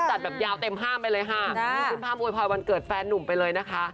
จัดแบบยาวเต็มห้ามไปเลยค่ะขึ้นภาพโวยพรวันเกิดแฟนหนุ่มไปเลยนะคะ